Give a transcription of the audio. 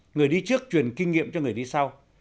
người đi trước truyền kinh nghiệm cho người đi sau